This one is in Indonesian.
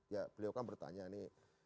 ya beliau kan bertanya nih